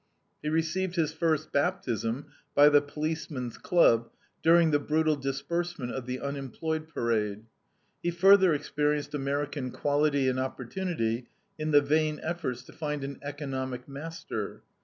He received his first baptism by the policeman's club during the brutal dispersement of the unemployed parade. He further experienced American equality and opportunity in the vain efforts to find an economic master.